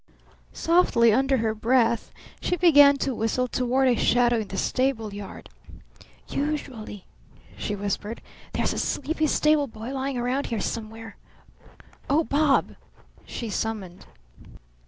Softly under her breath she began to whistle toward a shadow in the stable yard. "Usually," she whispered, "there's a sleepy stable boy lying round here somewhere. Oh Bob!" she summoned.